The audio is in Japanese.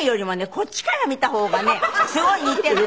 こっちから見た方がねすごい似てるの。